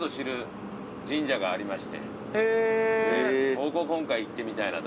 ここ今回行ってみたいなと。